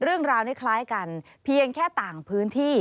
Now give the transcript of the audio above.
เรื่องราวนี้คล้ายกันเพียงแค่ต่างพื้นที่